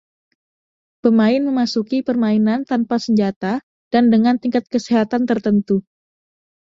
Pemain memasuki permainan tanpa senjata dan dengan tingkat kesehatan tertentu.